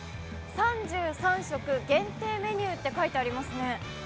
３３食限定メニューって書いてありますね。